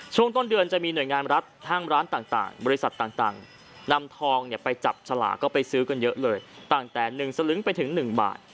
ช่วงต้นเดือนจะมีหน่วยงานรัฐทางร้านต่างบริษัทต่างนำทองเนี่ยไปจับฉลากก็ไปซื้อกันเยอะเลยตั้งแต่๑สลึงไปถึง๑บาท